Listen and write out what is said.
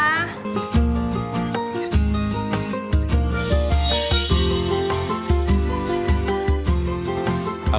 อร่อยมาก